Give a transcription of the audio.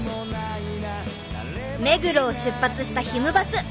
目黒を出発したひむバス。